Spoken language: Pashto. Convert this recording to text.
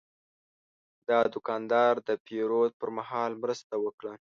دا دوکاندار د پیرود پر مهال مرسته وکړه.